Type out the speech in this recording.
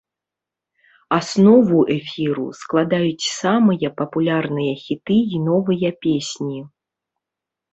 Аснову эфіру складаюць самыя папулярныя хіты і новыя песні.